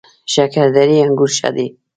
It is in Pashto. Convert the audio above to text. شکردرې انګور ښه دي؟